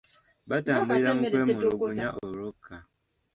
Batambulira mu kwemulugunya olwokka.